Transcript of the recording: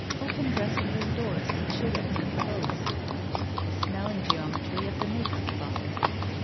Open dressing room doors that should have been ' closed. The smelling geometry of the make up box.